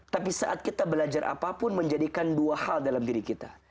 tapi saat kita belajar apapun menjadikan dua hal dalam diri kita